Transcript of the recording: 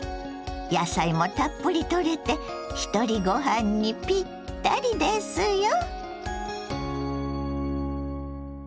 野菜もたっぷりとれてひとりごはんにぴったりですよ。